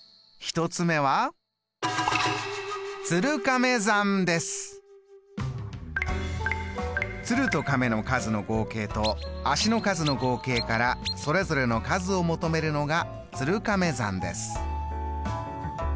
１つ目は鶴と亀の数の合計と足の数の合計からそれぞれの数を求めるのが鶴亀算です。